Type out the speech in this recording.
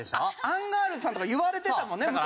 アンガールズさんとか言われてたもんね昔。